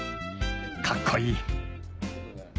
カッコいい！